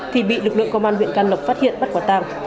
thì bị lực lượng công an huyện can lộc phát hiện bắt quả tang